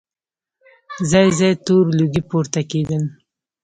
ځای ځای تور لوګي پورته کېدل.